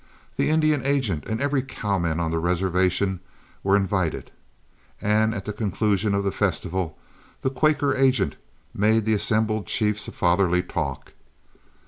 The Indian agent and every cowman on the reservation were invited, and at the conclusion of the festival the Quaker agent made the assembled chiefs a fatherly talk.